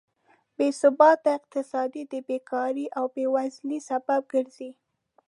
بېثباته اقتصاد د بېکارۍ او بېوزلۍ سبب ګرځي.